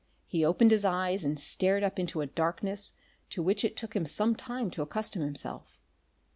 He opened his eyes and stared up into a darkness to which it took him some time to accustom himself.